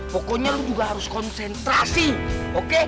pokoknya lo juga harus konsentrasi oke